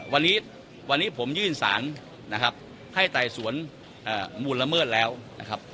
วันนี้ผมยื่นสารให้ไต่สวนมูลละเมิดแล้วนะครับ